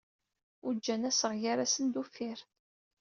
Ujjan assaɣ ger-asen d uffir.